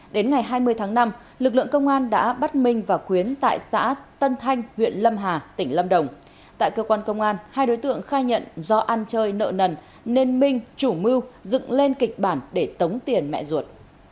đến ngày hai mươi tháng năm lực lượng công an đã bắt minh và khuyến tại xã tân thanh huyện lâm hà tỉnh lâm đồng tại cơ quan công an hai đối tượng khai nhận do ăn chơi nợ nần nên minh chủ mưu dựng lên kịch bản để tống tiền mẹ ruột